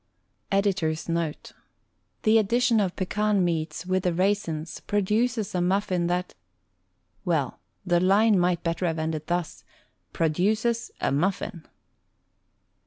Edttor's Note:— The addition of Pecan meats with the raisins produces a muffin that — well, the line might better have ended thus: produces a muffin!